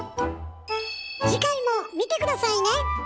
次回も見て下さいね！